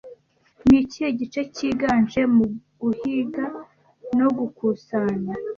Ni kihe gice cyiganje mu guhiga no gukusanya